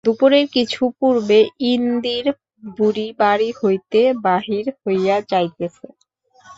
দুপুরের কিছু পূর্বে ইন্দির বুড়ি বাড়ি হইতে বাহির হইয়া যাইতেছে।